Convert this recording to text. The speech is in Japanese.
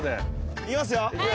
いきますよ。